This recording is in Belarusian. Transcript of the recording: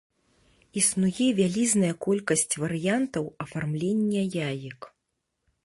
Існуе вялізная колькасць варыянтаў афармлення яек.